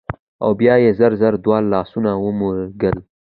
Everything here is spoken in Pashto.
او بيا يې زر زر دواړه لاسونه ومږل